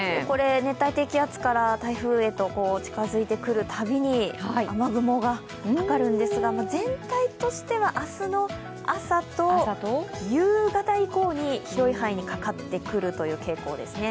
熱帯低気圧から台風へ近づいてくるたびに、雨雲がかかるんですが全体としては明日の朝と夕方以降に広い範囲にかかってくる傾向ですね。